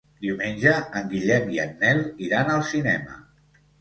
Diumenge en Guillem i en Nel iran al cinema.